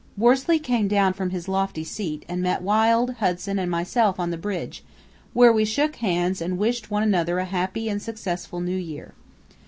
Worsley came down from his lofty seat and met Wild, Hudson, and myself on the bridge, where we shook hands and wished one another a happy and successful New Year.